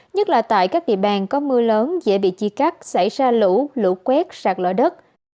nhất là tại các địa bàn có mưa lớn dễ bị chia cắt xảy ra lũ lũ quét sạt lở đất